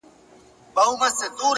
• له مودو وروسته پر ښو خوړو مېلمه وو,